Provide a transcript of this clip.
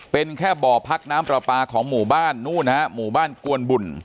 เป็นแค่บ่อพักน้ำปลาปลาของหมู่บ้านนู่นฮะหมู่บ้านกวนบุญ